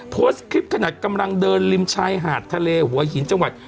โพสต์คลิปขนาดกำลังเดินริมชายหาดทะเลหัวหินจังหวัด